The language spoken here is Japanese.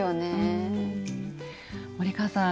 森川さん